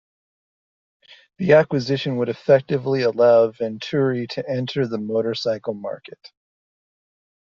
The acquisition would effectively allow Venturi to enter the motorcycle market.